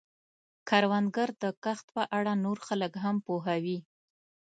کروندګر د کښت په اړه نور خلک هم پوهوي